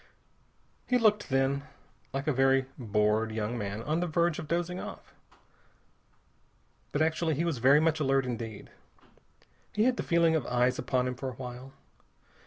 He looked, then, like a very bored young man on the verge of dozing off. But actually he was very much alert indeed. He had the feeling of eyes upon him for a while.